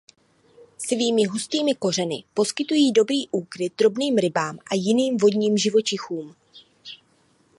Svými hustými kořeny poskytují dobrý úkryt drobným rybám a jiným vodním živočichům.